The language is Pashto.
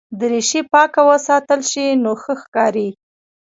دریشي پاکه وساتل شي نو ښه ښکاري.